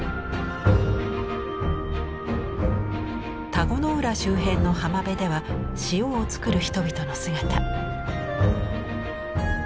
田子の浦周辺の浜辺では塩を作る人々の姿。